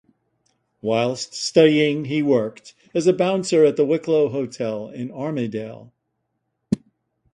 Whilst studying he worked as a bouncer at the Wicklow Hotel in Armidale.